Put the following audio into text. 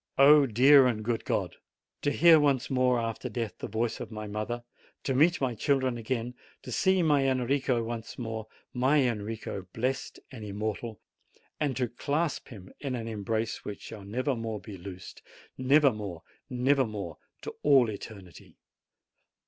O great and good God ! To hear once more after death the voice of my mother, to meet my children again, to see my Enrico once more, my Enrico, blessed and im mortal, and to clasp him in an embrace which shall never more be loosed, nevermore, nevermore to all eternity!